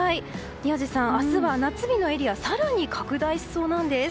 宮司さん、明日は夏日のエリアが更に拡大しそうなんです。